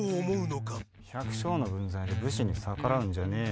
百姓の分際で武士に逆らうんじゃねえよ